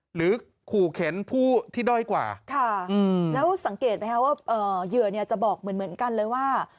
หรือขู่เข็นผู้ที่ด้อยกว่าค่ะแล้วสังเกตไหมคะว่าเหยื่อเนี่ยจะบอกเหมือนกันเลยว่า